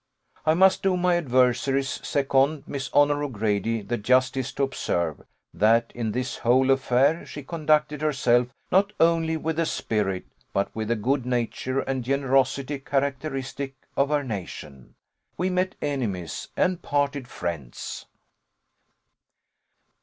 I must do my adversary's second, Miss Honour O'Grady, the justice to observe, that in this whole affair she conducted herself not only with the spirit, but with the good nature and generosity characteristic of her nation. We met enemies, and parted friends.